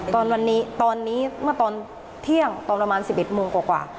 ตอนนี้ตอนนี้เมื่อตอนเที่ยงตอนประมาณ๑๑โมงกว่า